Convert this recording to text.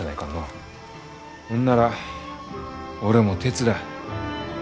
ほんなら俺も手伝う。